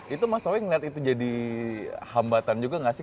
itu mas howie ngeliat itu jadi hambatan juga gak sih